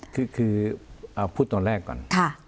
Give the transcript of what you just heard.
คือคือเอาพูดตอนแรกก่อนค่ะ